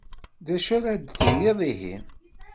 D acu ara d-tiniḍ ihi?